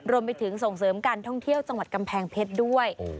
รวมไปถึงส่งเสริมการท่องเที่ยวจังหวัดกำแพงเพชรด้วย